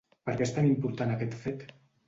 Per què és tan important aquest fet?